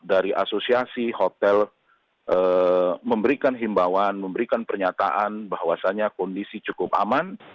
dari asosiasi hotel memberikan himbawan memberikan pernyataan bahwasannya kondisi cukup aman